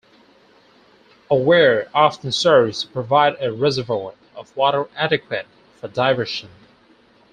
A weir often serves to provide a reservoir of water adequate for diversion.